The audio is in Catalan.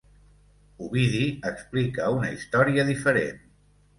Ovidi explica una història diferent.